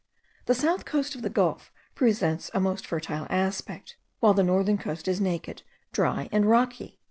The south coast of the gulf presents a most fertile aspect, while the northern coast is naked, dry, and rocky.